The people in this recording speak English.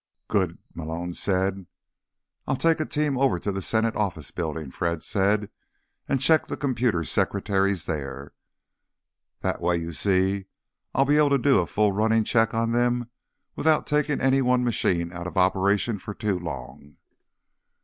"Good," Malone said. "I'll take a team over to the Senate Office Building," Fred said, "and check the computer secretaries there. That way, you see, I'll be able to do a full running check on them without taking any one machine out of operation for too long."